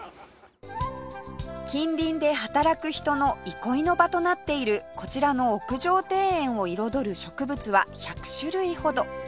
近隣で働く人の憩いの場となっているこちらの屋上庭園を彩る植物は１００種類ほど